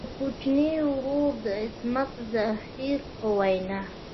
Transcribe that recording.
د کوچني ورور عصمت زهیر په وینا.